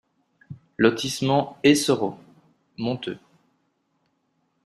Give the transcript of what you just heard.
Lotissement Eissero, Monteux